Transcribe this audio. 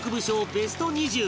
ベスト２０